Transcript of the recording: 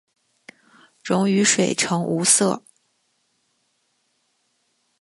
溶于水呈无色。